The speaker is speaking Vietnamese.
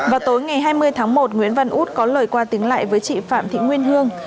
vào tối ngày hai mươi tháng một nguyễn văn út có lời qua tiếng lại với chị phạm thị nguyên hương